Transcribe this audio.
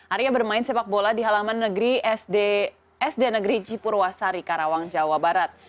arya bermain sepak bola di halaman sd negeri cipurwasari karawang jawa barat